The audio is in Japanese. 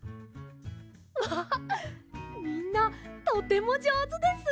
わあっみんなとてもじょうずです！